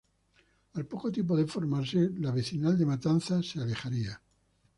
Al poco tiempo de formarse, La Vecinal de Matanza se alejaría.